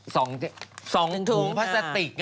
๑ถุงลูกบ้าสติก